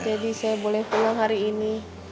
jadi saya boleh pulang hari ini